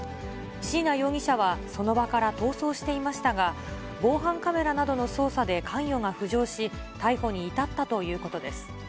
椎名容疑者はその場から逃走していましたが、防犯カメラなどの捜査で関与が浮上し、逮捕に至ったということです。